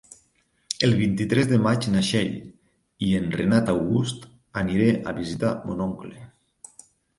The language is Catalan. El vint-i-tres de maig na Txell i en Renat August aniré a visitar mon oncle.